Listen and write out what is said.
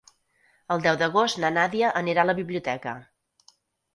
El deu d'agost na Nàdia anirà a la biblioteca.